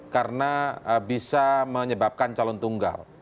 karena bisa menyebabkan calon tunggal